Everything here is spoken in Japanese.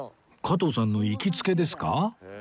加藤さんの行きつけですか？